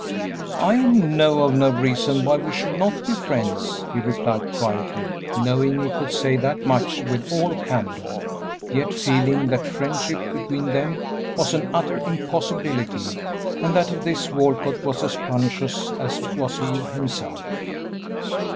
"I know of no reason why we should not be friends," he replied, quietly, knowing he could say that much with all candor, yet feeling that friendship between them was an utter impossibility, and that of this Walcott was as conscious as was he himself.